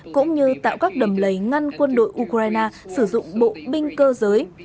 cũng như tạo các đầm lầy ngăn quân đội ukraine sử dụng bộ binh cơ giới